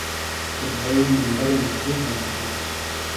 قیبلۂ و میمبئر و ماجید بئندی دیل